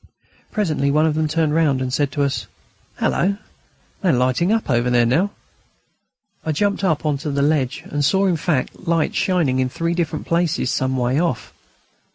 Presently one of them turned round and said to us: "Hallo! They are lighting up over there now." I jumped up on to the ledge and saw, in fact, lights shining in three different places some way off.